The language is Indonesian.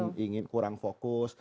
cepat cepat ingin kurang fokus